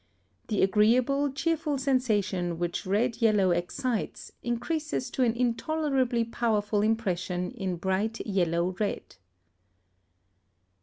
The agreeable, cheerful sensation which red yellow excites, increases to an intolerably powerful impression in bright yellow red.